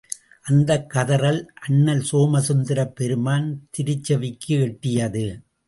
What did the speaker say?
அந்தக் கதறல் அண்ணல் சோமசுந்தரப் பெருமான் திருச் செவிக்கு எட்டியது.